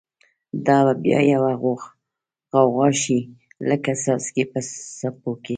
دا به بیا یوه غوغا شی، لکه څاڅکی په څپو کی